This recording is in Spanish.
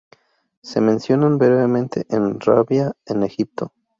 Se mencionan brevemente en "Rabia en Egipto".